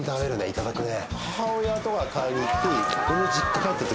いただくね。